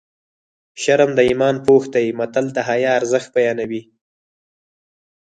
شرم د ایمان پوښ دی متل د حیا ارزښت بیانوي